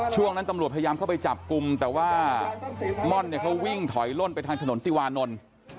ช่วงนั้นตำรวจพยายามเข้าไปจับกลุ่มแต่ว่าม่อนเนี่ยเขาวิ่งถอยล่นไปทางถนนติวานนท์